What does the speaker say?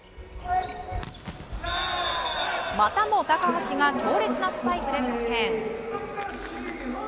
またも高橋が強烈なスパイクで得点。